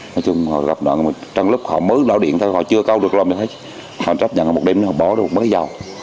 nói chung họ gặp nạn trong lúc họ mới nở điện thôi họ chưa câu được rồi họ trách nhận một đêm nữa bỏ được mới vào